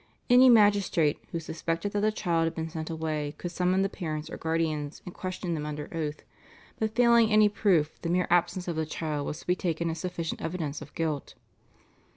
Any magistrate, who suspected that a child had been sent away could summon the parents or guardians and question them under oath, but failing any proof the mere absence of the child was to be taken as sufficient evidence of guilt.